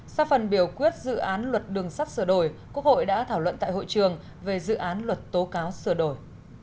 sau phần biểu quyết dự án luật đường sắt sửa đổi quốc hội đã thảo luận tại hội trường về dự án luật tố cáo sửa đổi